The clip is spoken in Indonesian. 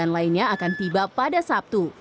empat puluh sembilan lainnya akan tiba pada sabtu